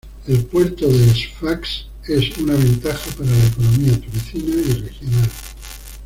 El puerto de Sfax es una ventaja para la economía tunecina y regional.